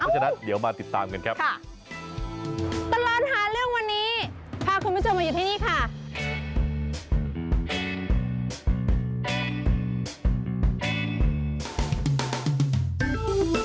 เพราะฉะนั้นเดี๋ยวมาติดตามกันครับค่ะ